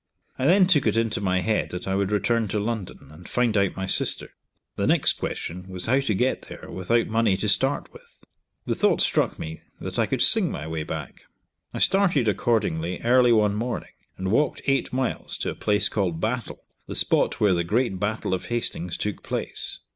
I then took it into my head that I would return to London, and find out my sister. The next question was how to get there without money to start with? The thought struck me that I could sing my way back. I started accordingly early one morning and walked eight miles to a place called Battle, the spot where the great battle of Hastings took place.